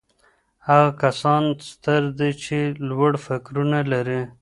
هغه کسان ستر دي چي لوړ فکرونه لري.